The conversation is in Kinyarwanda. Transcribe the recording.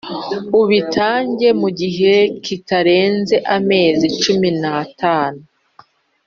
Ubitange mu gihe kitarengeje amezi cumi n’atanu